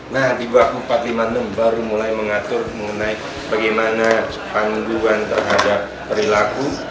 nah di bawah empat ratus lima puluh enam baru mulai mengatur mengenai bagaimana panduan terhadap perilaku